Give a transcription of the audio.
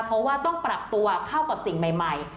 เพราะว่าต้องปรับตัวเข้ากับสิ่งใหม่